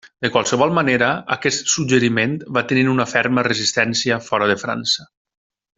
De qualsevol manera, aquest suggeriment va tenir una ferma resistència fora de França.